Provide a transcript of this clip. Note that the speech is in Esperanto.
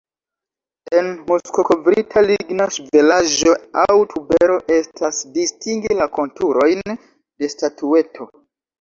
En muskokovrita ligna ŝvelaĵo aŭ tubero eblas distingi la konturojn de statueto.